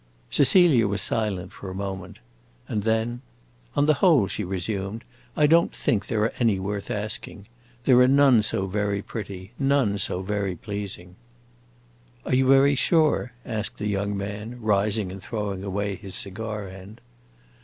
Cecilia was silent a moment; and then, "On the whole," she resumed, "I don't think there are any worth asking. There are none so very pretty, none so very pleasing." "Are you very sure?" asked the young man, rising and throwing away his cigar end.